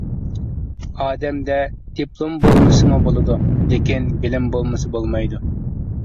ئادەمدە دىپلوم بولمىسىمۇ بولىدۇ لېكىن بىلىم بولمىسا بولمايدۇ.